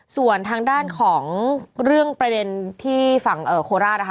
ส่วนทางด้านของเรื่องประเด็นที่ฝั่งโคราชนะคะ